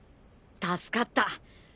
助かった。